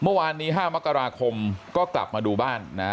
เมื่อวานนี้๕มกราคมก็กลับมาดูบ้านนะ